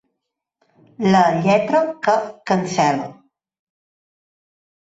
La lletra que cancel·la.